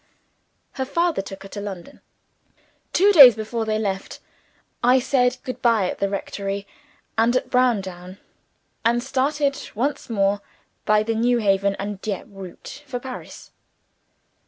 Her father took her to London. Two days before they left, I said good bye at the rectory and at Browndown; and started once more by the Newhaven and Dieppe route for Paris.